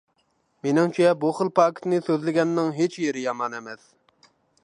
مېنىڭچە بۇ خىل پاكىتنى سۆزلىگەننىڭ ھېچ يېرى يامان ئەمەس.